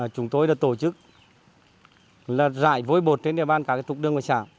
chúng tôi đã tổ chức là rải vôi bột trên địa bàn các trục đương ngôi xã